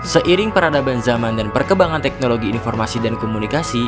seiring peradaban zaman dan perkembangan teknologi informasi dan komunikasi